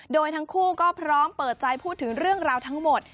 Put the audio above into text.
โดยทั้งคู่ก็พร้อมเปิดใจพูดถึงเรื่องราวทั้งหมด